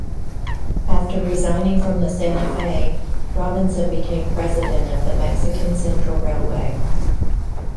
After resigning from the Santa Fe, Robinson became president of the Mexican Central Railway.